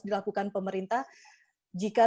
dilakukan pemerintah jika